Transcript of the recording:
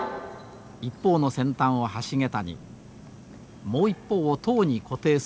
一方の先端を橋桁にもう一方を塔に固定するのが役目です。